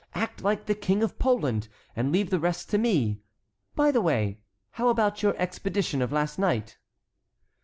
Act like the King of Poland, and leave the rest to me. By the way, how about your expedition of last night?"